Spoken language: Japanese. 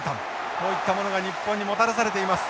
こういったものが日本にもたらされています。